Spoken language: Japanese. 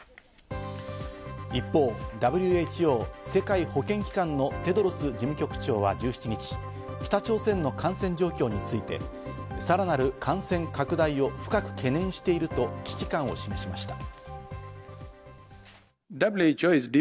一方、ＷＨＯ＝世界保健機関のテドロス事務局長は１７日、北朝鮮の感染状況について、さらなる感染拡大を深く懸念していると危機感を示しました。